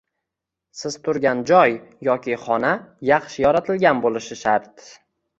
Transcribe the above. Siz turgan joy yoki xona yaxshi yoritilgan boʻlishi shart